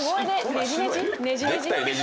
ねじねじ？」